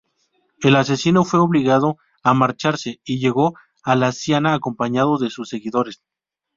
El asesino fue obligado a marcharse y llegó a Laciana acompañado de sus seguidores.